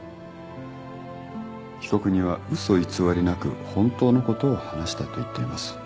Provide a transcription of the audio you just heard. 被告人は嘘偽りなく本当のことを話したと言っています。